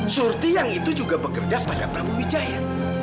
surting yang itu juga bekerja pada prabu wijaya